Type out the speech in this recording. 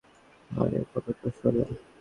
আরে, কথা তো শুনো।